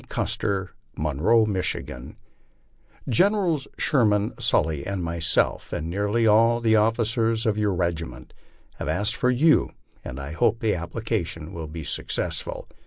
CUSTER, Monroe, Michigan : Generals Sherman, Sully, and myself, and nearly all the officers of your regiment, have asked for you, and I hope the application will be successful.